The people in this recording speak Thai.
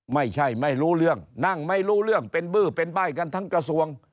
ไม่รู้เรื่องนั่งไม่รู้เรื่องเป็นบื้อเป็นใบ้กันทั้งกระทรวง